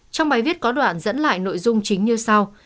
trong bài viết có đoạn dẫn lại nội dung chính như sau